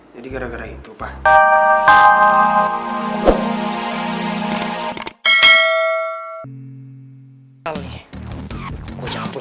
jadi gara gara itu pak